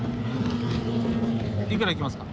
いくらいきますか？